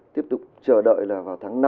tiếp tục chờ đợi là vào tháng năm